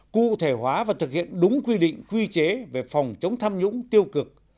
cụ thể hóa và thực hiện đúng quy định quy chế về phòng chống tham nhũng tiêu cực